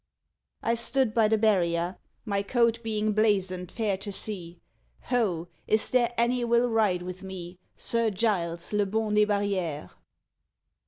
_ I stood by the barrier, My coat being blazon'd fair to see; _Ho! is there any will ride with me, Sir Giles, le bon des barrières?